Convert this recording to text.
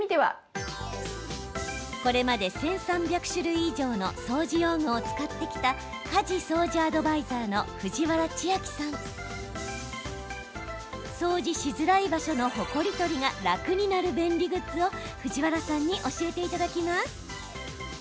これまで１３００種類以上の掃除用具を使ってきた家事・掃除アドバイザーの藤原千秋さん。掃除しづらい場所のほこり取りが楽になる便利グッズを藤原さんに教えていただきます。